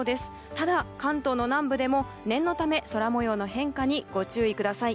ただ、関東の南部でも念のため空模様の変化にご注意ください。